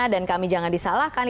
dan kami jangan disalahkan